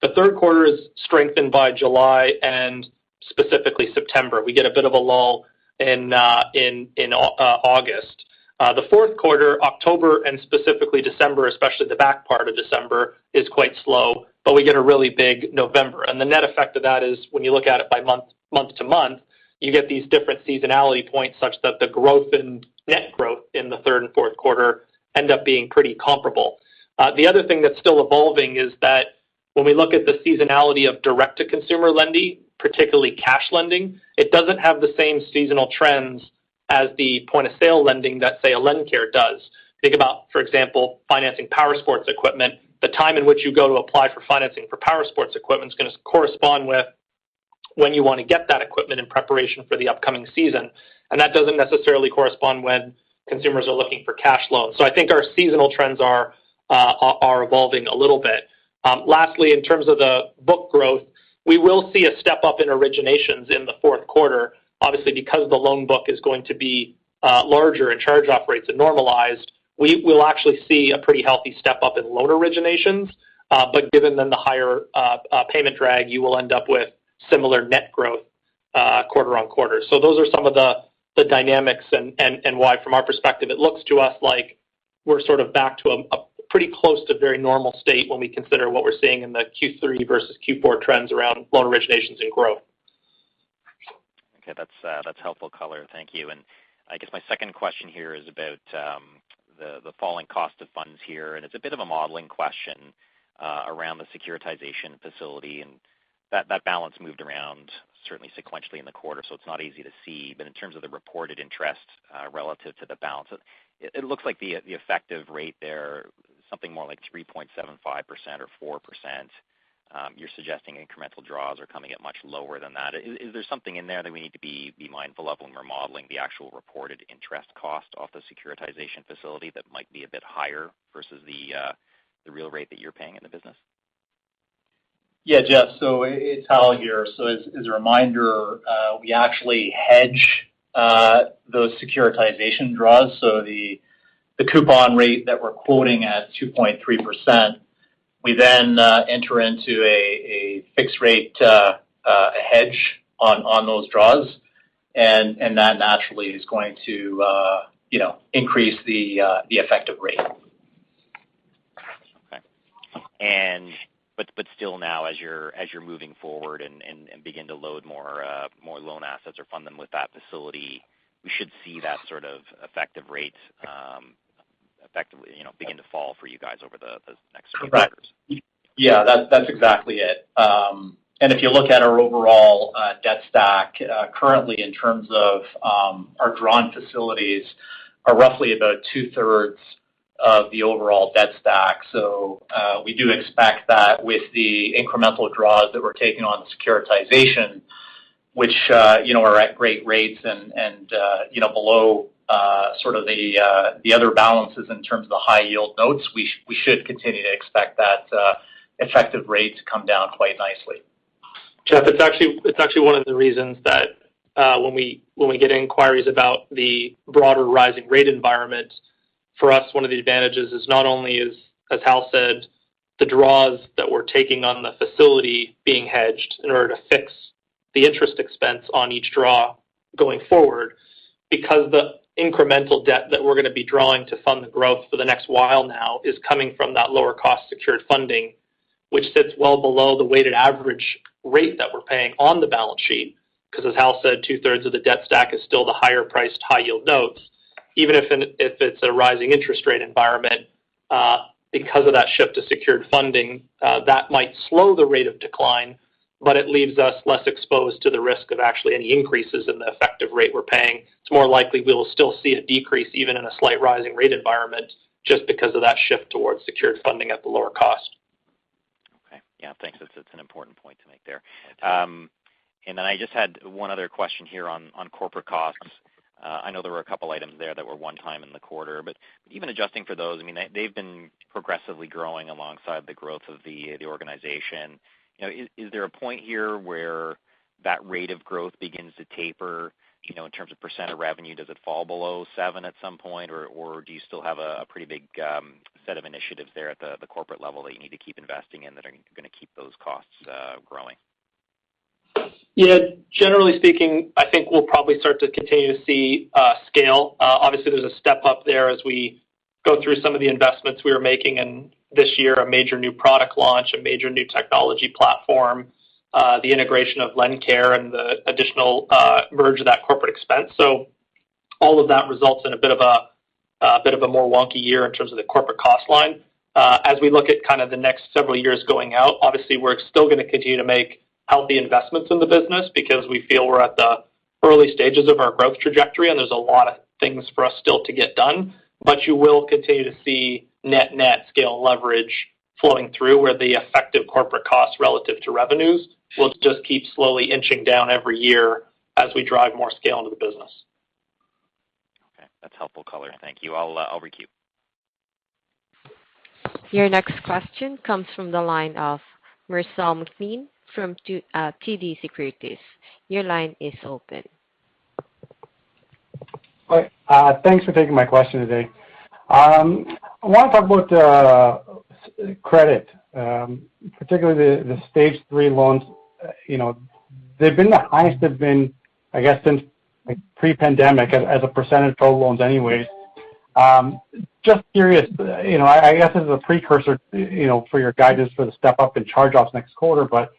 the third quarter is strengthened by July and specifically September. We get a bit of a lull in August. The fourth quarter, October and specifically December, especially the back part of December, is quite slow, but we get a really big November. The net effect of that is when you look at it by month to month, you get these different seasonality points such that the growth and net growth in the third and fourth quarter end up being pretty comparable. The other thing that's still evolving is that when we look at the seasonality of direct-to-consumer lending, particularly cash lending, it doesn't have the same seasonal trends as the point-of-sale lending that, say, a LendCare does. Think about, for example, financing power sports equipment. The time in which you go to apply for financing for power sports equipment is gonna correspond with when you want to get that equipment in preparation for the upcoming season. That doesn't necessarily correspond when consumers are looking for cash loans. I think our seasonal trends are evolving a little bit. Lastly, in terms of the book growth, we will see a step-up in originations in the fourth quarter. Obviously, because the loan book is going to be larger and charge-offs are normalized. We'll actually see a pretty healthy step-up in loan originations. But given the higher payment drag, you will end up with similar net growth quarter-over-quarter. Those are some of the dynamics and why, from our perspective, it looks to us like we're sort of back to a pretty close to very normal state when we consider what we're seeing in the Q3 versus Q4 trends around loan originations and growth. Okay. That's helpful color. Thank you. I guess my second question here is about the falling cost of funds here, and it's a bit of a modeling question around the securitization facility and that balance moved around certainly sequentially in the quarter. It's not easy to see. In terms of the reported interest relative to the balance, it looks like the effective rate there something more like 3.75% or 4%. You're suggesting incremental draws are coming at much lower than that. Is there something in there that we need to be mindful of when we're modeling the actual reported interest cost of the securitization facility that might be a bit higher versus the real rate that you're paying in the business? Yeah. Jeff, it's Hal here. As a reminder, we actually hedge those securitization draws. The coupon rate that we're quoting at 2.3%, we then enter into a fixed rate hedge on those draws. That naturally is going to, you know, increase the effective rate. Still now, as you're moving forward and begin to load more loan assets or fund them with that facility, we should see that sort of effective rate effectively, you know, begin to fall for you guys over the next quarters. Correct. Yeah. That's exactly it. If you look at our overall debt stack, currently in terms of our drawn facilities are roughly about two-thirds of the overall debt stack. We do expect that with the incremental draws that we're taking on securitization, which you know are at great rates and you know below sort of the other balances in terms of the high yield notes. We should continue to expect that effective rates come down quite nicely. Jeff, it's actually one of the reasons that when we get inquiries about the broader rising rate environment, for us, one of the advantages is not only, as Hal said, the draws that we're taking on the facility being hedged in order to fix the interest expense on each draw going forward. The incremental debt that we're gonna be drawing to fund the growth for the next while now is coming from that lower cost secured funding, which sits well below the weighted average rate that we're paying on the balance sheet. As Hal said, two-thirds of the debt stack is still the higher priced high yield notes. Even if it's a rising interest rate environment, because of that shift to secured funding, that might slow the rate of decline, but it leaves us less exposed to the risk of actually any increases in the effective rate we're paying. It's more likely we will still see a decrease even in a slight rising rate environment just because of that shift towards secured funding at the lower cost. Okay. Yeah, thanks. That's, it's an important point to make there. And then I just had one other question here on corporate costs. I know there were a couple items there that were one time in the quarter, but even adjusting for those, I mean, they've been progressively growing alongside the growth of the organization. You know, is there a point here where that rate of growth begins to taper, you know, in terms of percent of revenue, does it fall below 7% at some point? Or do you still have a pretty big set of initiatives there at the corporate level that you need to keep investing in that are gonna keep those costs growing? Yeah. Generally speaking, I think we'll probably start to continue to see scale. Obviously, there's a step up there as we go through some of the investments we are making. This year, a major new product launch, a major new technology platform, the integration of LendCare and the additional merger of that corporate expense. All of that results in a bit of a more wonky year in terms of the corporate cost line. As we look at kind of the next several years going out, obviously, we're still gonna continue to make healthy investments in the business because we feel we're at the early stages of our growth trajectory, and there's a lot of things for us still to get done. You will continue to see net-net scale leverage flowing through where the effective corporate costs relative to revenues will just keep slowly inching down every year as we drive more scale into the business. Okay. That's helpful color. Thank you. I'll re-queue. Your next question comes from the line of Marcel McLean from TD Securities. Your line is open. Hi. Thanks for taking my question today. I wanna talk about credit, particularly the stage three loans. You know, they've been the highest they've been, I guess, since like pre-pandemic as a percentage of total loans anyways. Just curious, you know, I guess, as a precursor, you know, for your guidance for the step up in charge-offs next quarter, but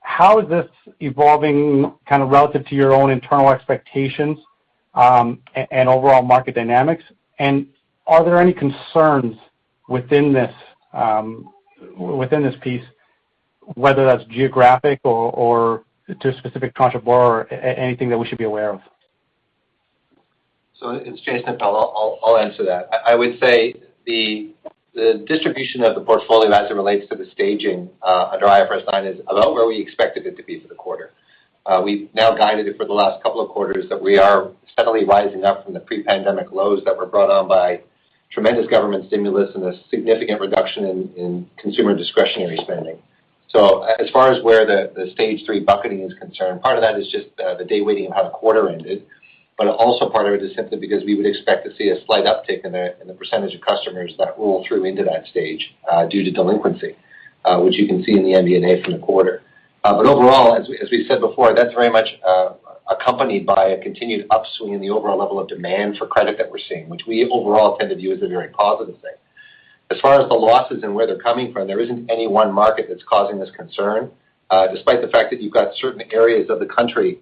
how is this evolving kind of relative to your own internal expectations and overall market dynamics? And are there any concerns within this piece, whether that's geographic or to a specific contra borrower, anything that we should be aware of? It's Jason. I'll answer that. I would say the distribution of the portfolio as it relates to the staging at the end of the first quarter is about where we expected it to be for the quarter. We've now guided it for the last couple of quarters that we are steadily rising up from the pre-pandemic lows that were brought on by tremendous government stimulus and a significant reduction in consumer discretionary spending. As far as where the stage three bucketing is concerned, part of that is just the day weighting of how the quarter ended. But also part of it is simply because we would expect to see a slight uptick in the percentage of customers that roll through into that stage due to delinquency, which you can see in the MD&A from the quarter. Overall, as we said before, that's very much accompanied by a continued upswing in the overall level of demand for credit that we're seeing, which we overall tend to view as a very positive thing. As far as the losses and where they're coming from, there isn't any one market that's causing this concern. Despite the fact that you've got certain areas of the country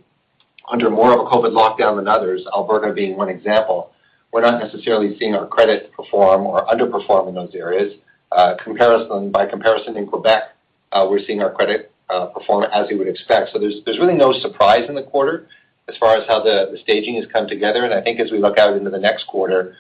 under more of a COVID lockdown than others, Alberta being one example, we're not necessarily seeing our credit perform or underperform in those areas. By comparison in Quebec, we're seeing our credit perform as you would expect. There's really no surprise in the quarter as far as how the staging has come together. I think as we look out into the next quarter,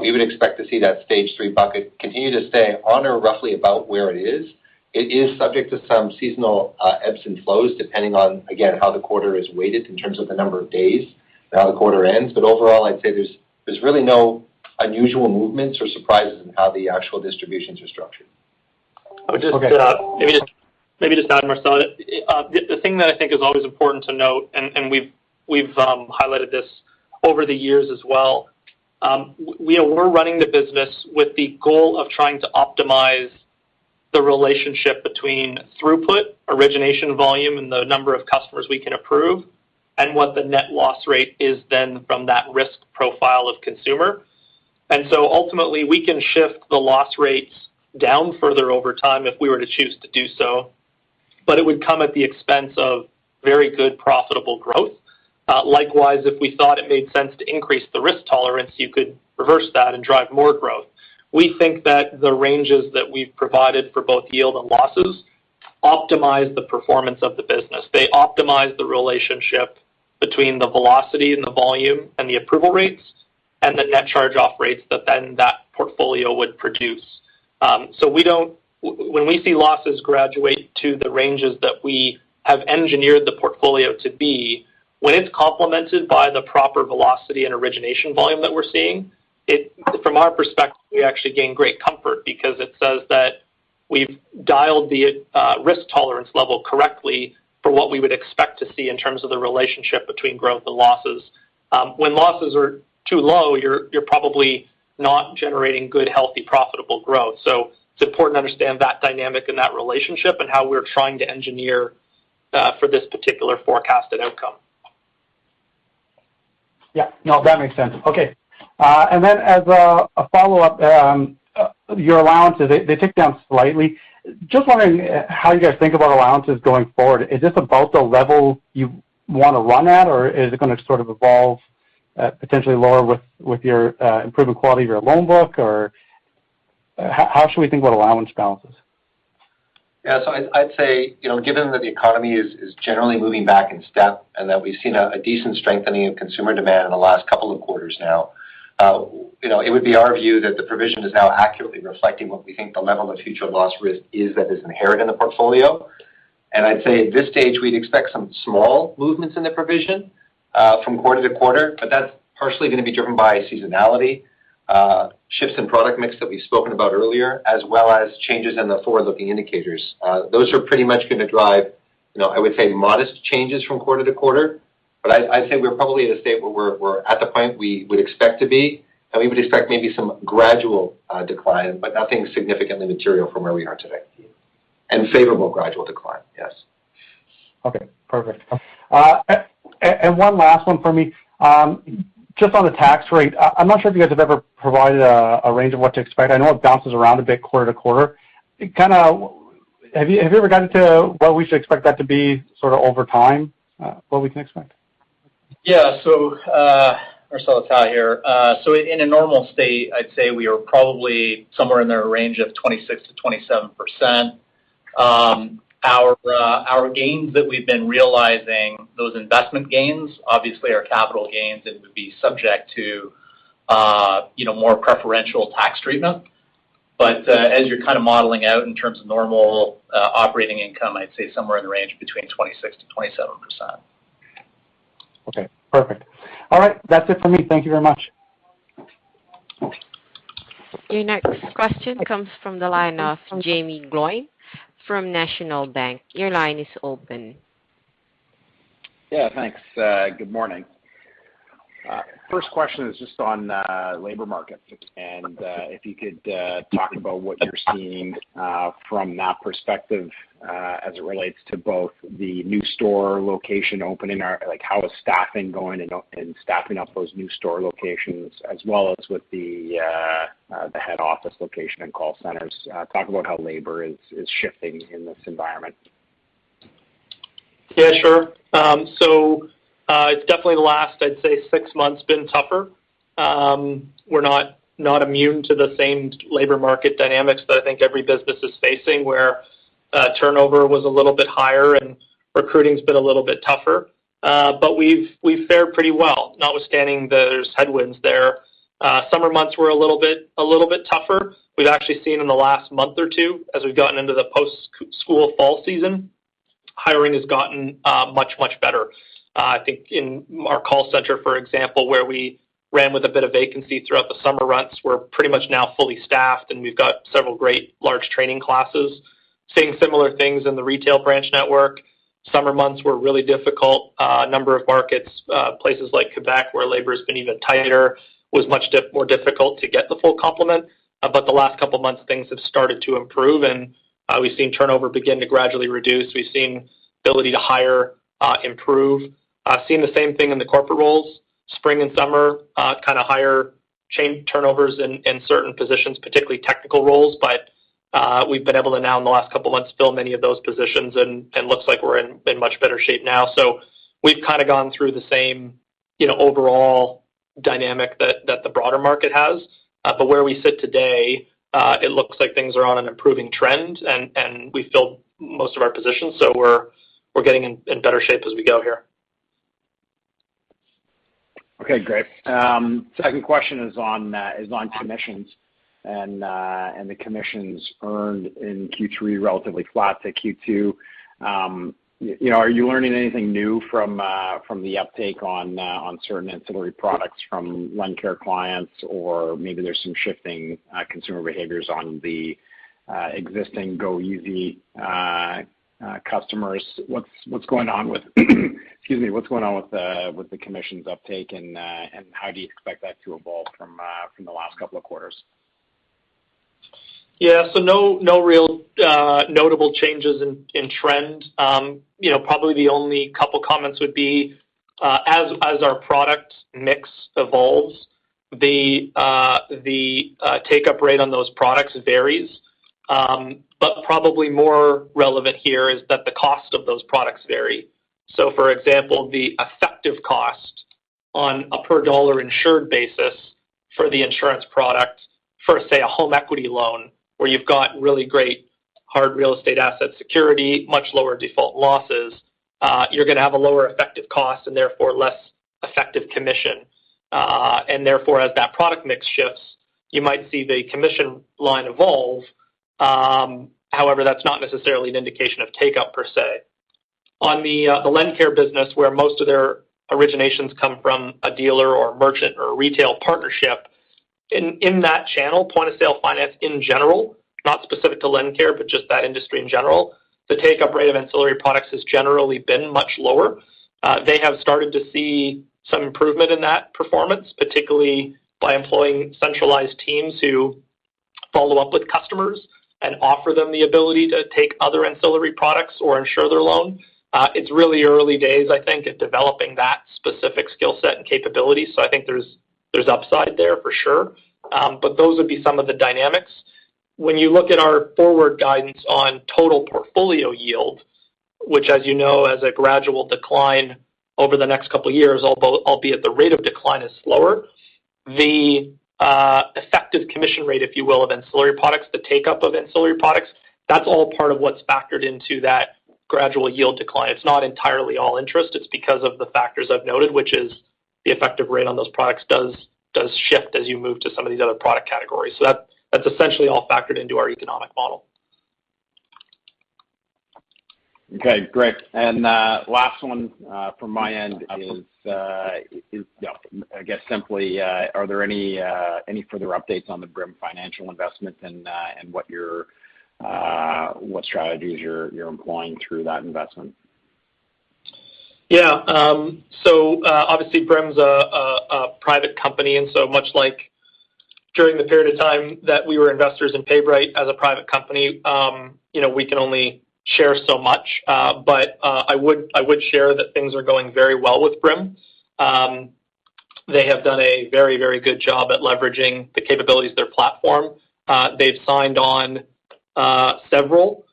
we would expect to see that stage three bucket continue to stay on or roughly about where it is. It is subject to some seasonal ebbs and flows, depending on, again, how the quarter is weighted in terms of the number of days, and how the quarter ends. Overall, I'd say there's really no unusual movements or surprises in how the actual distributions are structured. I would just maybe just add, Marcel. The thing that I think is always important to note, and we've highlighted this over the years as well, we're running the business with the goal of trying to optimize the relationship between throughput, origination volume, and the number of customers we can approve, and what the net loss rate is then from that risk profile of consumer. Ultimately, we can shift the loss rates down further over time if we were to choose to do so, but it would come at the expense of very good profitable growth. Likewise, if we thought it made sense to increase the risk tolerance, you could reverse that and drive more growth. We think that the ranges that we've provided for both yield and losses optimize the performance of the business. They optimize the relationship between the velocity and the volume and the approval rates and the net charge-off rates that then that portfolio would produce. When we see losses graduate to the ranges that we have engineered the portfolio to be, when it's complemented by the proper velocity and origination volume that we're seeing, it, from our perspective, we actually gain great comfort because it says that we've dialed the risk tolerance level correctly for what we would expect to see in terms of the relationship between growth and losses. When losses are too low, you're probably not generating good, healthy, profitable growth. It's important to understand that dynamic and that relationship and how we're trying to engineer for this particular forecasted outcome. Yeah. No, that makes sense. Okay. As a follow-up, your allowances, they tick down slightly. Just wondering how you guys think about allowances going forward. Is this about the level you want to run at, or is it going to sort of evolve potentially lower with your improving quality of your loan book? Or how should we think about allowance balances? I'd say, you know, given that the economy is generally moving back in step and that we've seen a decent strengthening of consumer demand in the last couple of quarters now, you know, it would be our view that the provision is now accurately reflecting what we think the level of future loss risk is that is inherent in the portfolio. I'd say at this stage, we'd expect some small movements in the provision from quarter to quarter, but that's partially going to be driven by seasonality, shifts in product mix that we've spoken about earlier, as well as changes in the forward-looking indicators. Those are pretty much going to drive, you know, I would say modest changes from quarter to quarter. I'd say we're probably at a state where we're at the point we would expect to be, and we would expect maybe some gradual decline, but nothing significantly material from where we are today. Favorable gradual decline. Yes. Okay, perfect. One last one for me. Just on the tax rate, I'm not sure if you guys have ever provided a range of what to expect. I know it bounces around a bit quarter to quarter. Have you ever gotten to what we should expect that to be sort of over time, what we can expect? Yeah. Marcel, Hal here. In a normal state, I'd say we are probably somewhere in the range of 26%-27%. Our gains that we've been realizing, those investment gains, obviously are capital gains and would be subject to, you know, more preferential tax treatment. As you're kind of modeling out in terms of normal, operating income, I'd say somewhere in the range of between 26%-27%. Okay. Perfect. All right. That's it for me. Thank you very much. Your next question comes from the line of Jaeme Gloyn from National Bank. Your line is open. Yeah, thanks. Good morning. First question is just on labor markets and if you could talk about what you're seeing from that perspective as it relates to both the new store location opening or like how is staffing going and staffing up those new store locations as well as with the head office location and call centers. Talk about how labor is shifting in this environment. Yeah, sure. It's definitely the last, I'd say, six months been tougher. We're not immune to the same labor market dynamics that I think every business is facing, where turnover was a little bit higher and recruiting's been a little bit tougher. We've fared pretty well notwithstanding those headwinds there. Summer months were a little bit tougher. We've actually seen in the last month or two as we've gotten into the post school fall season, hiring has gotten much better. I think in our call center, for example, where we ran with a bit of vacancy throughout the summer months, we're pretty much now fully staffed, and we've got several great large training classes, seeing similar things in the retail branch network. Summer months were really difficult. A number of markets, places like Quebec, where labor has been even tighter, was much more difficult to get the full complement. The last couple of months things have started to improve and we've seen turnover begin to gradually reduce. We've seen ability to hire improve. Seeing the same thing in the corporate roles. Spring and summer kind of higher churn turnovers in certain positions, particularly technical roles. We've been able to now in the last couple of months fill many of those positions and looks like we're in much better shape now. We've kind of gone through the same, you know, overall dynamic that the broader market has. Where we sit today, it looks like things are on an improving trend and we filled most of our positions, so we're getting in better shape as we go here. Okay, great. Second question is on commissions and the commissions earned in Q3 relatively flat to Q2. You know, are you learning anything new from the uptake on certain ancillary products from LendCare clients? Or maybe there's some shifting consumer behaviors on the existing goeasy customers. What's going on with the commissions uptake and how do you expect that to evolve from the last couple of quarters? Yeah. No real notable changes in trend. You know, probably the only couple comments would be, as our product mix evolves, the take-up rate on those products varies. But probably more relevant here is that the cost of those products vary. For example, the effective cost on a per dollar insured basis for the insurance product for, say, a home equity loan, where you've got really great hard real estate asset security, much lower default losses, you're going to have a lower effective cost and therefore less effective commission. Therefore as that product mix shifts, you might see the commission line evolve. However, that's not necessarily an indication of take-up per se. On the LendCare business, where most of their originations come from a dealer or a merchant or a retail partnership. In that channel, point-of-sale finance in general, not specific to LendCare, but just that industry in general, the take-up rate of ancillary products has generally been much lower. They have started to see some improvement in that performance, particularly by employing centralized teams who follow up with customers and offer them the ability to take other ancillary products or insure their loan. It's really early days, I think, at developing that specific skill set and capability. I think there's upside there for sure. Those would be some of the dynamics. When you look at our forward guidance on total portfolio yield, which as you know, has a gradual decline over the next couple of years, albeit the rate of decline is slower. The effective commission rate, if you will, of ancillary products, the take-up of ancillary products, that's all part of what's factored into that gradual yield decline. It's not entirely all interest. It's because of the factors I've noted, which is the effective rate on those products does shift as you move to some of these other product categories. That, that's essentially all factored into our economic model. Okay, great. Last one from my end is, yeah, I guess simply, are there any further updates on the Brim Financial investment and what strategies you're employing through that investment? Obviously Brim's a private company, much like during the period of time that we were investors in PayBright as a private company, we can only share so much. I would share that things are going very well with Brim. They have done a very, very good job at leveraging the capabilities of their platform. They've signed on several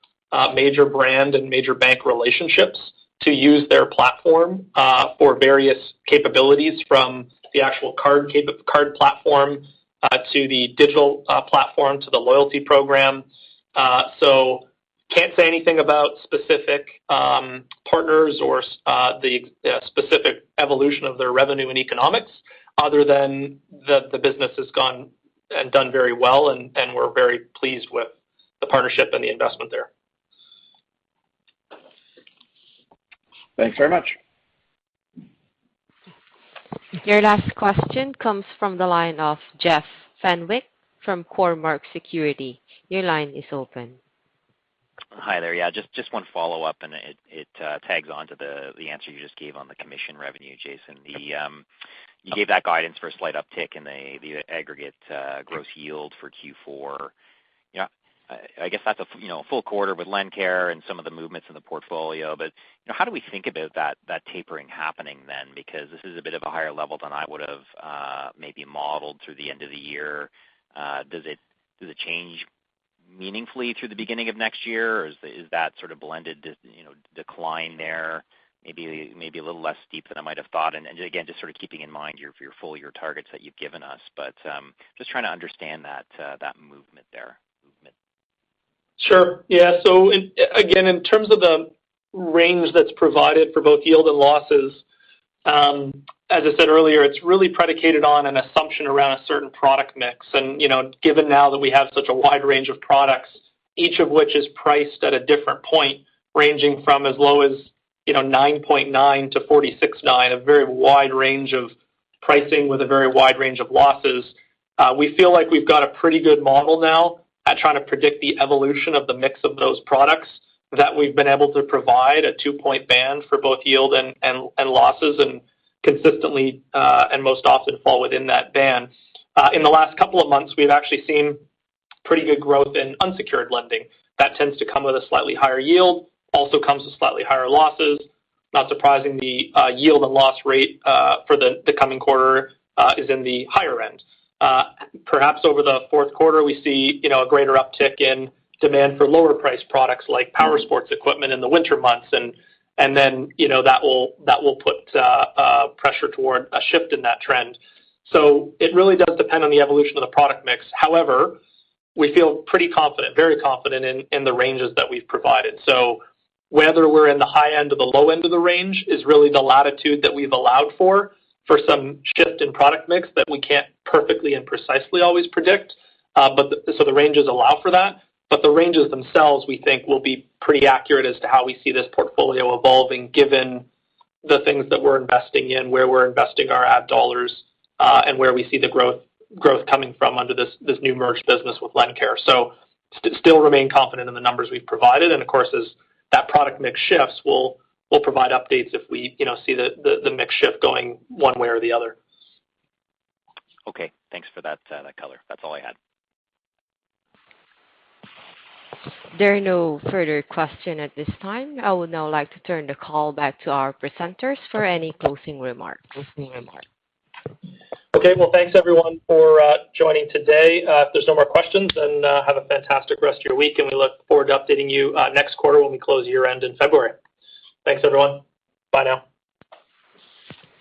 major brand and major bank relationships to use their platform for various capabilities from the actual card platform to the digital platform to the loyalty program. Can't say anything about specific partners or the specific evolution of their revenue and economics other than the business has gone and done very well, and we're very pleased with the partnership and the investment there. Thanks very much. Your last question comes from the line of Jeff Fenwick from Cormark Securities. Your line is open. Hi there. Yeah, just one follow-up, and it tacks on to the answer you just gave on the commission revenue, Jason. You gave that guidance for a slight uptick in the aggregate gross yield for Q4. Yeah. I guess that's a you know, full quarter with LendCare and some of the movements in the portfolio. You know, how do we think about that tapering happening then? Because this is a bit of a higher level than I would have maybe modeled through the end of the year. Does it change meaningfully through the beginning of next year, or is that sort of blended you know, decline there maybe a little less steep than I might have thought? Again, just sort of keeping in mind your full year targets that you've given us. Just trying to understand that movement there. Sure. Yeah. Again, in terms of the range that's provided for both yield and losses, as I said earlier, it's really predicated on an assumption around a certain product mix. You know, given now that we have such a wide range of products, each of which is priced at a different point, ranging from as low as, you know, 9.9%-46.9%, a very wide range of pricing with a very wide range of losses. We feel like we've got a pretty good model now at trying to predict the evolution of the mix of those products that we've been able to provide a 2-point band for both yield and losses and consistently, and most often fall within that band. In the last couple of months, we've actually seen pretty good growth in unsecured lending. That tends to come with a slightly higher yield, also comes with slightly higher losses. Not surprising, the yield and loss rate for the coming quarter is in the higher end. Perhaps over the fourth quarter, we see, you know, a greater uptick in demand for lower-priced products like power sports equipment in the winter months and then, you know, that will put pressure toward a shift in that trend. It really does depend on the evolution of the product mix. However, we feel pretty confident, very confident in the ranges that we've provided. Whether we're in the high end or the low end of the range is really the latitude that we've allowed for some shift in product mix that we can't perfectly and precisely always predict. The ranges allow for that. The ranges themselves, we think, will be pretty accurate as to how we see this portfolio evolving given the things that we're investing in, where we're investing our ad dollars, and where we see the growth coming from under this new merged business with LendCare. Still remain confident in the numbers we've provided. Of course, as that product mix shifts, we'll provide updates if we, you know, see the mix shift going one way or the other. Okay. Thanks for that color. That's all I had. There are no further questions at this time. I would now like to turn the call back to our presenters for any closing remarks. Okay. Well, thanks everyone for joining today. If there's no more questions, then have a fantastic rest of your week, and we look forward to updating you next quarter when we close year-end in February. Thanks, everyone. Bye now.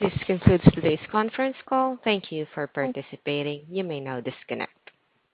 This concludes today's conference call. Thank you for participating. You may now disconnect.